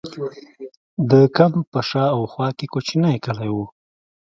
د کمپ په شا او خوا کې کوچنۍ کلي وو.